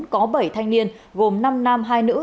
có bảy thanh niên gồm năm nam hai nữ